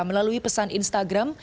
melalui pesan instagram